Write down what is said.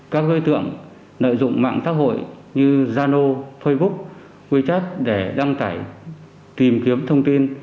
các lưu tượng nợ dụng mạng tác hội như zano facebook wechat để đăng tải tìm kiếm thông tin